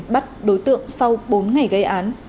bắt đối tượng sau bốn ngày gây án